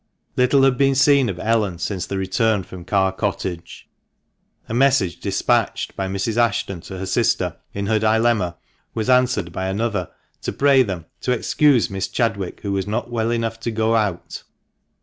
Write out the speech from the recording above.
Little had been seen of Ellen since the return from Carr Cottage. A message despatched by Mrs. Ashton to her sister, in her dilemma, was answered by another to pray them to "excuse Miss Chadwick, who was not well enough to go out."